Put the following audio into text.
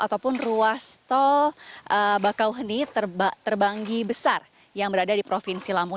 ataupun ruas tol bakauheni terbanggi besar yang berada di provinsi lampung